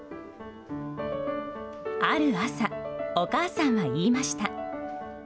ある朝、お母さんは言いました。